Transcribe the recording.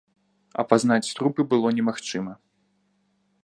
Апазнаць трупы было немагчыма.